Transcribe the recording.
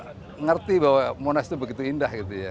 mengerti bahwa monas itu begitu indah gitu ya